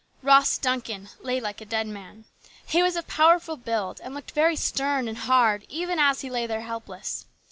Ross Duncan lay like a dead man. He was of powerful build and looked very stern and hard even as he lay there helpless.